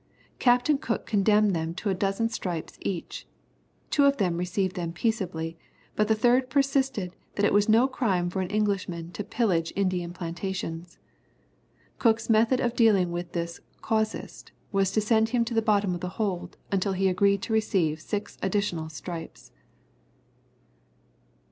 Captain Cook condemned them to a dozen stripes each. Two of them received them peaceably, but the third persisted that it was no crime for an Englishman to pillage Indian plantations. Cook's method of dealing with this casuist was to send him to the bottom of the hold until he agreed to receive six additional stripes."